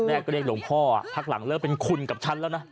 แรกก็เรียกหลวงพ่อพักหลังเลิกเป็นคุณกับฉันแล้วนะ